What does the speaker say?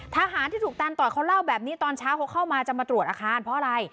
ทหารที่ถูกตันต่อยเขาเล่าแบบนี้ตอนเช้าเขาเข้ามาจะมาตรวจอาคารเพราะอะไร